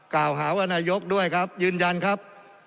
กล่าวหาว่านายกด้วยครับยืนยันครับ